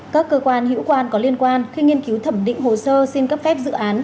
các cơ quan hữu quan có liên quan khi nghiên cứu thẩm định hồ sơ xin cấp phép dự án